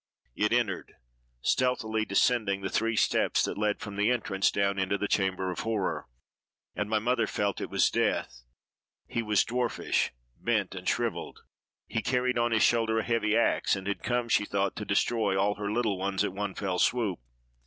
It entered, stealthily descending the three steps that led from the entrance down into the chamber of horror: and my mother felt IT was Death! He was dwarfish, bent, and shrivelled. He carried on his shoulder a heavy axe; and had come, she thought, to destroy 'all her little ones at one fell swoop.